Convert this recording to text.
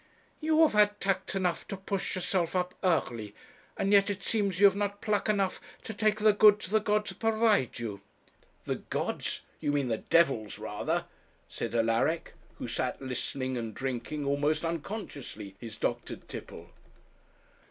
You have had tact enough to push yourself up early, and yet it seems you have not pluck enough to take the goods the gods provide you.' 'The gods! you mean the devils rather,' said Alaric, who sat listening and drinking, almost unconsciously, his doctored tipple.